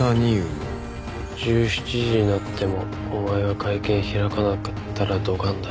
「１７時になってもお前が会見開かなかったらドカンだ」